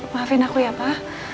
maafin aku ya pak